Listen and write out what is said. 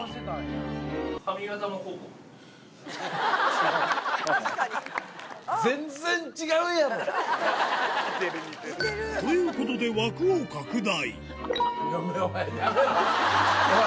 最後は確かに。ということで枠を拡大